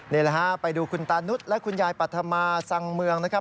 นี่แหละฮะไปดูคุณตานุษย์และคุณยายปัธมาสังเมืองนะครับ